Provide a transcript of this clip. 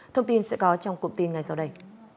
thông tin sẽ có trong cụm tin ngay sau đây